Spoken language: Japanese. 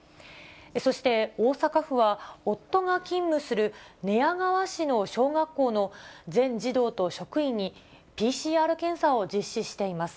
そして大阪府は、夫が勤務する寝屋川市の小学校の全児童と職員にＰＣＲ検査を実施しています。